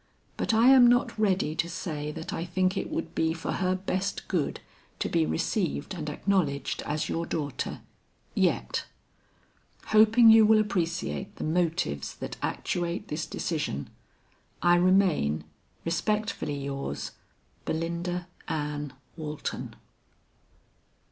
But I am not ready to say that I think it would be for her best good to be received and acknowledged as your daughter yet. Hoping you will appreciate the motives that actuate this decision, "I remain, respectfully yours, "BELINDA ANN WALTON."